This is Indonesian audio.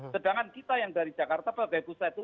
sedangkan kita yang dari jakarta sebagai pusat itu